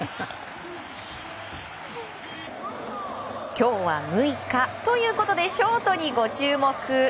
今日は６日ということでショートにご注目。